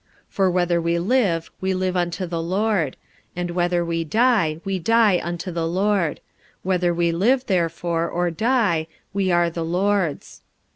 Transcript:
45:014:008 For whether we live, we live unto the Lord; and whether we die, we die unto the Lord: whether we live therefore, or die, we are the Lord's.